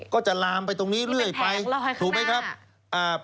ก็จะลามไปตรงนี้เรื่อยไปถูกไหมครับมีแผงลอยข้างหน้า